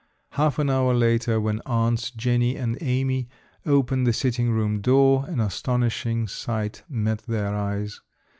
Half an hour later when Aunts Jenny and Amy opened the sitting room door, an astonishing sight met their eyes.